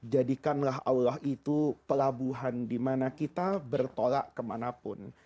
jadikanlah allah itu pelabuhan dimana kita bertolak kemanapun